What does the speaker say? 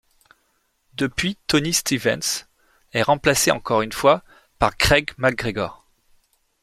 Depuis Tony Stevens est remplacé encore une fois par Craig MacGregor.